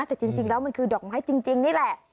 แต่จริงแล้วมันคือดอกไม้จริงนี่แหละ